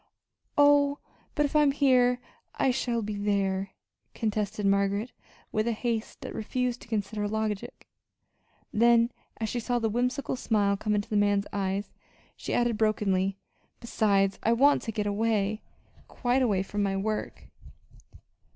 "Oh, but if I'm here I shall be there," contested Margaret with a haste that refused to consider logic; then, as she saw the whimsical smile come into the man's eyes, she added brokenly: "Besides, I want to get away quite away from my work."